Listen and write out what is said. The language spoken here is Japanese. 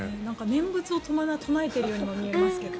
念仏を唱えているようにも見えますけど。